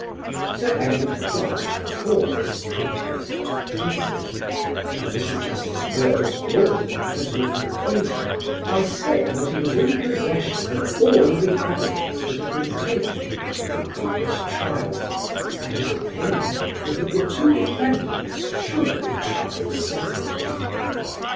Sir Edward Clarke tore this pretext to pieces, and Mr. Justice Wills brought the matter to a conclusion by saying that he was in possession of all the evidence that had been taken at the previous trials, and his opinion was that the two defendants should be tried separately.